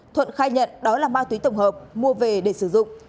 thuận khai nhận đó là ma túy tổng hợp mua về để sử dụng